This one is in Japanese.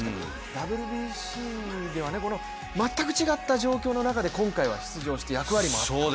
ＷＢＣでは全く違った状況の中で今回は出場して役割も果たして。